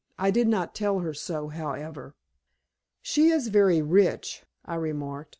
I did not tell her so, however. "She is very rich," I remarked.